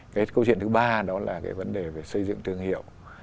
cái câu chuyện thứ ba đó là cái vấn đề về xây dựng thương hiệu